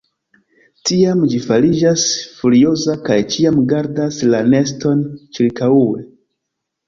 Tiam ĝi fariĝas furioza kaj ĉiam gardas la neston ĉirkaŭe.